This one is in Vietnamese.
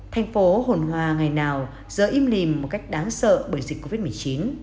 thành phố hồn hoa ngày nào giờ im lìm một cách đáng sợ bởi dịch covid một mươi chín